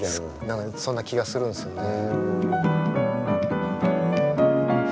何かそんな気がするんですよね。